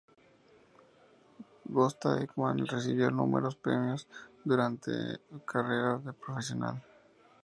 Gösta Ekman recibió numerosos premios durante su carrera profesional.